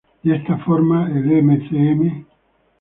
De esta forma el m.c.m.